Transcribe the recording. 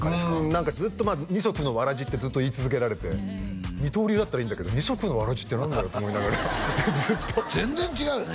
何かずっと二足のわらじってずっと言い続けられて二刀流だったらいいんだけど二足のわらじって何だよって思いながらずっと全然違うよね